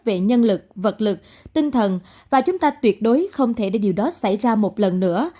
về nhân lực vật lực tinh thần và chúng ta tuyệt đối không thể để điều đó xảy ra một lần nữa